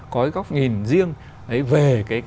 có cái góc nhìn riêng về